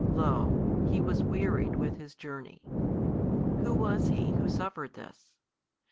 Lo, He was wearied with His journey: Who was He Who suffered this?